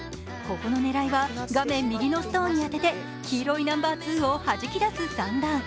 ここの狙いは画面右のストーンに当てて黄色いナンバー２をはじき出す算段。